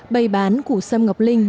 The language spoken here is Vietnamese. bày bán của xâm ngọc linh